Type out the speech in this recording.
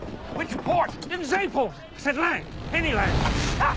あっ！